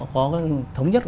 có thống nhất